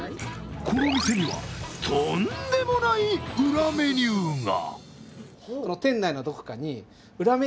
この店には、とんでもない裏メニューが。